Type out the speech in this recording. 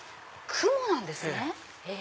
雲なんですね。